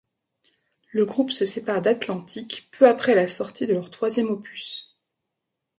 Le groupe se sépare d'Atlantic peu après la sortie de leur troisième opus.